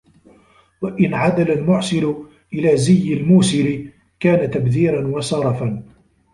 وَإِنْ عَدَلَ الْمُعْسِرُ إلَى زِيِّ الْمُوسِرِ كَانَ تَبْذِيرًا وَسَرَفًا